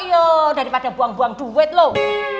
ayo daripada buang buang duit loh